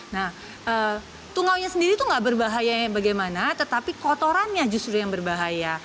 nah tungaunya sendiri itu nggak berbahaya bagaimana tetapi kotorannya justru yang berbahaya